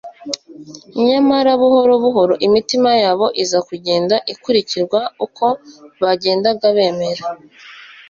nyamara buhoro buhoro imitima yabo iza kugenda ikurikirwa uko bagendaga bemera